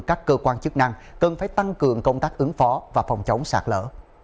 các cơ quan chức năng cần phải tăng cường công tác ứng phó và phòng chống sạt lỡ